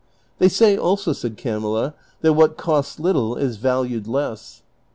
'" They say also," said Camilla, " that what costs little is valued less."